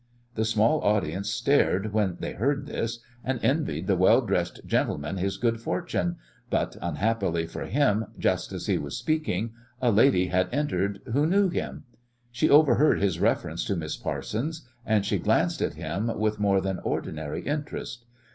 The small audience stared when they heard this, and envied the well dressed "gentleman" his good fortune, but, unhappily for him, just as he was speaking a lady had entered who knew him. She overheard his reference to Miss Parsons, and she glanced at him with more than ordinary interest.